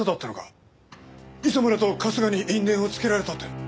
磯村と春日に因縁をつけられたって。